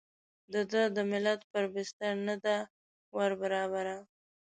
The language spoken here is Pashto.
د ده د ملت پر بستر نه ده وربرابره.